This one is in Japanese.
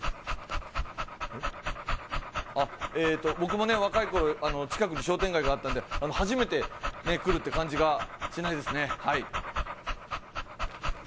えっ？あっ、僕も若いころ、近くに商店街があったんで、初めて来るって感じがしないですね。